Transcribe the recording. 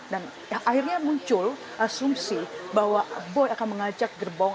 dan akhirnya muncul asumsi bahwa boy akan mengajak gerbong